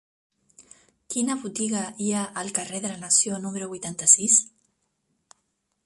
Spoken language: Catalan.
Quina botiga hi ha al carrer de la Nació número vuitanta-sis?